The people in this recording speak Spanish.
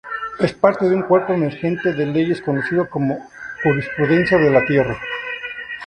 Es parte de un cuerpo emergente de leyes conocido como 'jurisprudencia de la Tierra'.